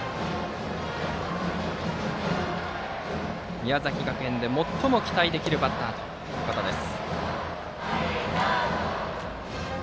宮崎学園で最も期待できるバッターとのことです。